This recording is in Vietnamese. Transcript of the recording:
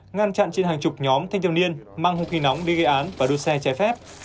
ngăn chặn trên hàng chục nhóm thanh châu niên mang hụt nghi nóng đi gây án và đua xe chai phép